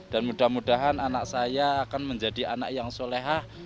dan mudah mudahan anak saya akan menjadi anak yang solehah